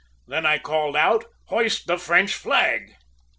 Then I called out, `Hoist the French flag!'